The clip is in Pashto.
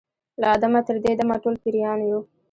له آدمه تر دې دمه ټول پیران یو